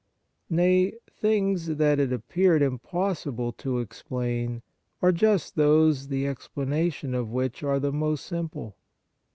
Nay, things that it appeared impossible to explain are just those the explanation of which are the most simple.